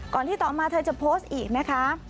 ที่ต่อมาเธอจะโพสต์อีกนะคะ